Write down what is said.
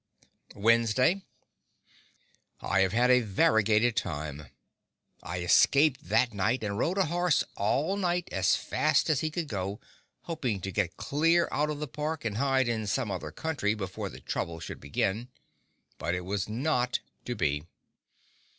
Wednesday I have had a variegated time. I escaped that night, and rode a horse all night as fast as he could go, hoping to get clear out of the Park and hide in some other country before the trouble should begin; but it was not to be.